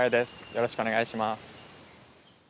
よろしくお願いします。